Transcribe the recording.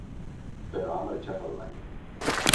Però ha marxat al ball.